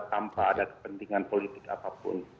tanpa ada kepentingan politik apapun